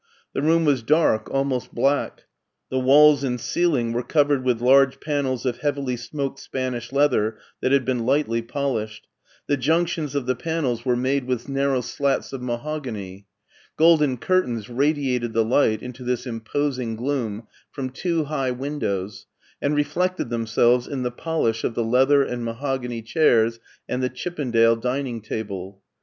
The room was dark, almost black; the walls and ceiling were covered with large panels of heavily smoked Spanish leather that had been lightly polished. The junctions of the panels were made BERLIN 199 with narrow slats of mahogany. Golden curtains radi ated the light into this imposing gloom from two high windows, and reflected themselves in the polish of the leather and mahogany chairs and the Chippendale din ing table.